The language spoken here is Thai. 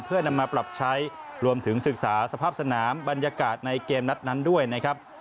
เพื่อนำมาปรับใช้รวมถึงศึกษาสภาพสนามบรรยากาศในเกมนัดนั้นด้วยนะครับ